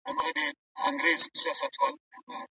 د فرهنګي ارزښتونو ترمنځ توپیر د علمی پرمختګ لپاره مهم دي.